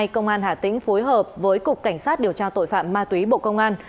công an hà tĩnh phối hợp với cục cảnh sát điều tra tội phạm ma túy bộ công an